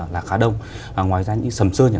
là khá đông ngoài ra những sầm sơ